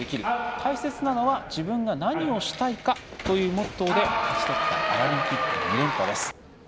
大切なのは自分が何をしたいかというモットーで勝ち取ったパラリンピック２連覇です。